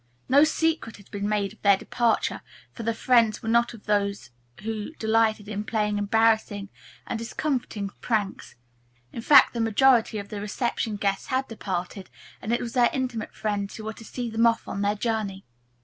No secret had been made of their departure, for their friends were not of those who delighted in playing embarrassing and discomforting pranks. In fact, the majority of the reception guests had departed, and it was their intimate friends who were to see them off on their journey.